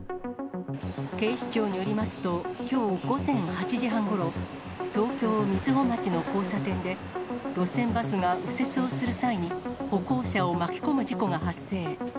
警視庁によりますと、きょう午前８時半ごろ、東京・瑞穂町の交差点で、路線バスが、右折をする際に、歩行者を巻き込む事故が発生。